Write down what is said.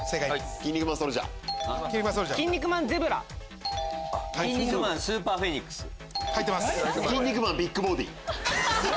キン肉マンビッグボディ。